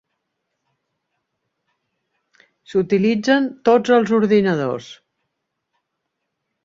S'utilitzen tots els ordinadors.